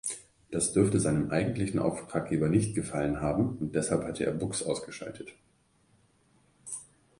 Das dürfte seinem eigentlichen Auftraggeber nicht gefallen haben und deshalb hatte er Bux ausgeschaltet.